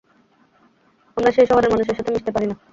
আমরা সেই শহরের মানুষের সাথে মিশতে পারি না।